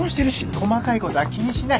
細かいことは気にしない